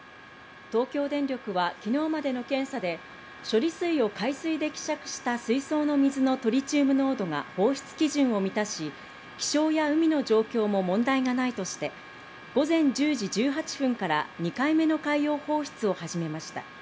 東京電力はきのうまでの検査で、処理水を海水で希釈した水槽の水のトリチウム濃度が放出基準を満たし、気象や海の状況も問題がないとして、午前１０時１８分から２回目の海洋放出を始めました。